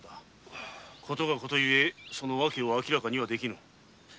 事が事ゆえその訳も明らかにはできぬ。